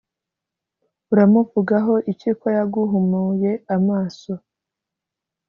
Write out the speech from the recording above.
uramuvugaho iki ko yaguhumuye amaso?